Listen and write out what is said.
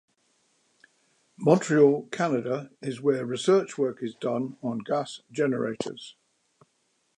Montreal, Canada is where research work is done on gas generators.